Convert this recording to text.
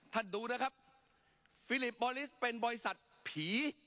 ท่านดูนะครับฟิลิปบอลิสเป็นบริษัทผี